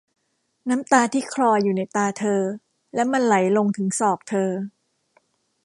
น้ำตาที่คลออยู่ในตาเธอและมันไหลลงถึงศอกเธอ